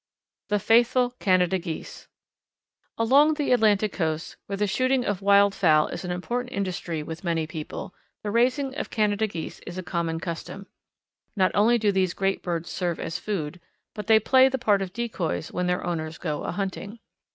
The Faithful Canada Geese. Along the Atlantic Coast, where the shooting of wildfowl is an important industry with many people, the raising of Canada Geese is a common custom. Not only do these great birds serve as food, but they play the part of decoys when their owners go ahunting.